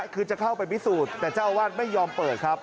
คือจะเข้าไปพิสูจน์แต่เจ้าอาวาสไม่ยอมเปิดครับ